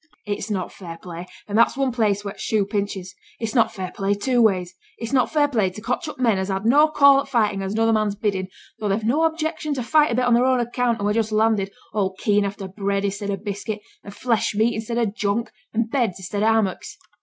It's not fair play, and that's one place where t' shoe pinches. It's not fair play two ways. It's not fair play to cotch up men as has no call for fightin' at another man's biddin', though they've no objection to fight a bit on their own account and who are just landed, all keen after bread i'stead o' biscuit, and flesh meat i'stead o' junk, and beds i'stead o' hammocks.